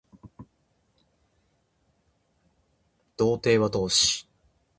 道程は遠し